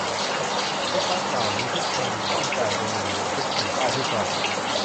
รถบัสเหล่านี้ทุกคันต้องจ่ายเงินหนึ่งเหรียญทุกหนึ่งป้ายที่จอด